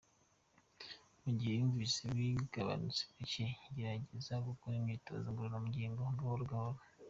Mu gihe wumvise bigabanutse gacye gerageza gukora imyitozo ngororangingo gahoro gahoro.